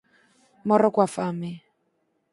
Morro coa fame.